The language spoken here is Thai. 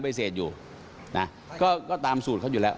รวมถึงเมื่อวานี้ที่บิ๊กโจ๊กพาไปคุยกับแอมท์ท่านสถานหญิงกลาง